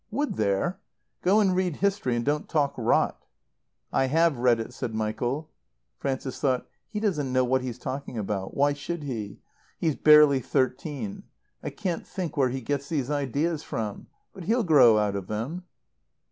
"Would there? Go and read history and don't talk rot." "I have read it," said Michael. Frances thought: "He doesn't know what he's talking about. Why should he? He's barely thirteen. I can't think where he gets these ideas from. But he'll grow out of them."